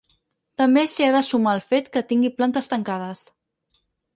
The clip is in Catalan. També s’hi ha de sumar el fet que tinguin plantes tancades.